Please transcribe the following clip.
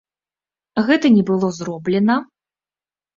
Гэта не было зроблена.